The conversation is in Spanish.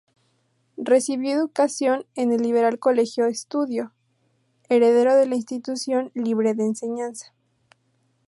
Recibió educación en el liberal Colegio Estudio, heredero de la Institución Libre de Enseñanza.